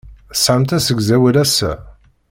Tesɛamt asegzawal ass-a?